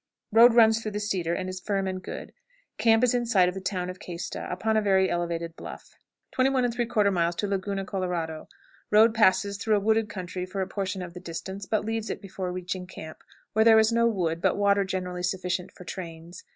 Road runs through the cedar, and is firm and good. Camp is in sight of the town of Questa, upon a very elevated bluff. 21 3/4. Laguna Colorado. Road passes through a wooded country for a portion of the distance, but leaves it before reaching camp, where there is no wood, but water generally sufficient for trains.